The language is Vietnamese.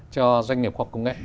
cho doanh nghiệp quốc công nghệ